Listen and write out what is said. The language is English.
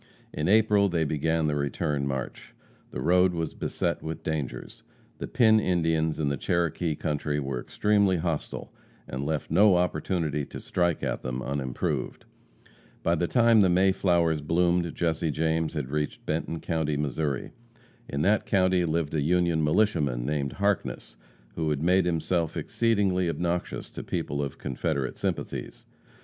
In April they began the return march. The road was beset with dangers. The Pin Indians in the Cherokee country were extremely hostile, and left no opportunity to strike at them unimproved. By the time the May flowers bloomed, Jesse James had reached Benton county, Missouri. In that county lived a Union militiaman named Harkness, who had made himself exceedingly obnoxious to people of Confederate sympathies.